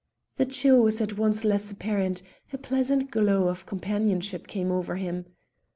The chill was at once less apparent, a pleasant glow of companionship came over him.